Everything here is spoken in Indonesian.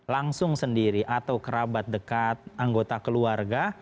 langsung sendiri atau kerabat dekat anggota keluarga